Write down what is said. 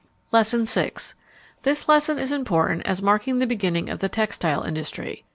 Lesson VI. This lesson is important as marking the beginning of the textile industry.